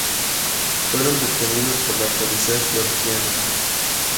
Fueron detenidos por la policía georgiana.